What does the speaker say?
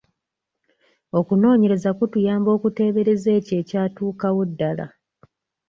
Okunoonyeraza kutuyamba okuteebereza ekyo kyatuukawo ddala.